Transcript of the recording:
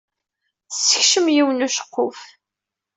Tessekcem yiwen n uceqquf.